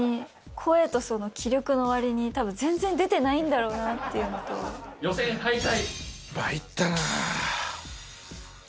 声とその気力のわりに、たぶん全然出てないんだろうなっていうの予選敗退。